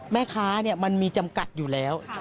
แม้ค้านี่มันมีจำกัดอยู่แล้ว